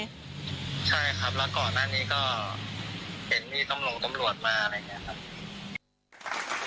ใช่ครับแล้วก่อนหน้านี้ก็เห็นมีตำรวจมาอะไรอย่างนี้ครับ